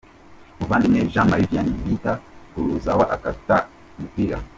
Muvandimwe Jean Marie Vianney bita Kurzawa akata umupira